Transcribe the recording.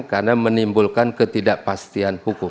karena menimbulkan ketidakpastian hukum